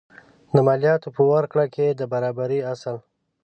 د مالیاتو په ورکړه کې د برابرۍ اصل.